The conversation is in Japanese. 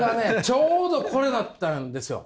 ちょうどこれだったんですよ。